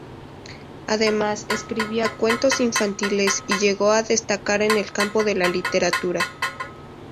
Además escribía cuentos infantiles y llegó a destacar en el campo de la literatura.